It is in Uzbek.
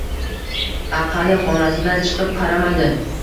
Aqalli xonasidan chiqib qaramadi.